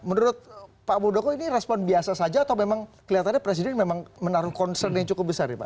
menurut pak muldoko ini respon biasa saja atau memang kelihatannya presiden memang menaruh concern yang cukup besar ya pak